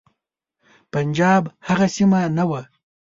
پنجاب هغه سیمه نه وه.